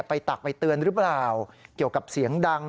ตักไปเตือนหรือเปล่าเกี่ยวกับเสียงดัง